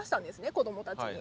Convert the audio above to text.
子どもたちに。